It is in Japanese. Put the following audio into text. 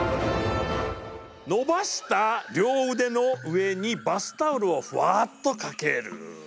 伸ばした両腕の上にバスタオルをふわっと掛ける。